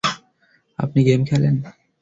আপনি গেম খেলেন?